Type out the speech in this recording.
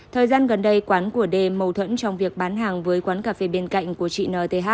thời gian gần đây quán của đê mâu thuẫn trong việc bán hàng với quán cà phê bên cạnh của chị n t h